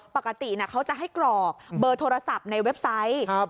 ปกติเขาจะให้กรอกเบอร์โทรศัพท์ในเว็บไซต์